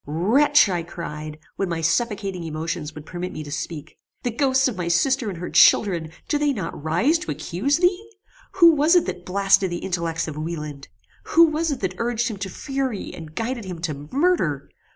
"Wretch!" I cried when my suffocating emotions would permit me to speak, "the ghosts of my sister and her children, do they not rise to accuse thee? Who was it that blasted the intellects of Wieland? Who was it that urged him to fury, and guided him to murder?